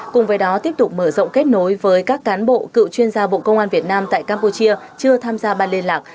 cùng với đó tiếp tục mở rộng kết nối với các cán bộ cựu chuyên gia bộ công an việt nam tại campuchia chưa tham gia ban liên lạc